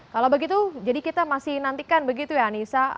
kalau begitu jadi kita masih nantikan begitu ya anissa